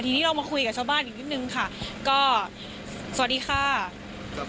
ทีนี้เรามาคุยกับชาวบ้านอีกนิดนึงค่ะก็สวัสดีค่ะครับ